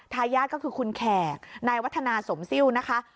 ทายาทก็คือคุณแขกนายวัฒนาสมซิลนะคะ